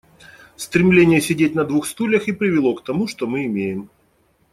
Стремление сидеть на двух стульях и привело к тому, что мы имеем.